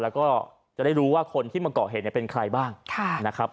แล้วก็จะได้รู้ว่าคนที่มาก่อเหตุเนี่ยเป็นใครบ้างนะครับ